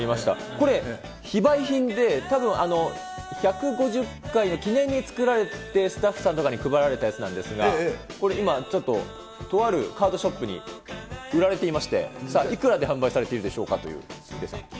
これ、非売品で、たぶん、１５０回の記念に作られて、スタッフさんとかに配られたやつなんですが、これ今、とあるカードショップに売られていまして、さあ、いくらで販売されているでしょうかという、ヒデさん。